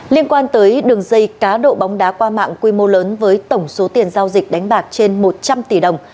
liên quan tới đường dây cá độ bóng đá qua mạng quy mô lớn với tổng số tiền giao dịch đánh bạc trên một trăm linh tỷ đồng